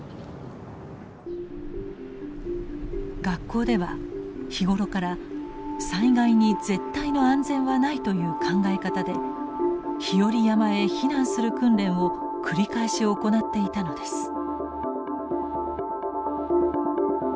学校では日頃から災害に絶対の安全はないという考え方で日和山へ避難する訓練を繰り返し行っていたのです。